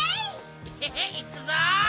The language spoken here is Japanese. ヘヘヘッいくぞ！